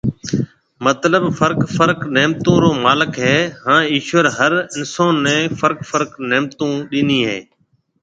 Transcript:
مطلب فرق فرق نعمتون رو مالڪ هي هان ايشور هر انسون ني فرق فرق نعمتون ڏيني هي